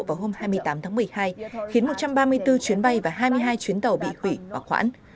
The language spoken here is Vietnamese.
vào hôm hai mươi tám tháng một mươi hai khiến một trăm ba mươi bốn chuyến bay và hai mươi hai chuyến tàu bị hủy và khoản